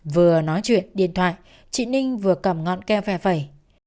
vừa nói chuyện điện thoại trị ninh vừa cầm ngọn keo phè phẩy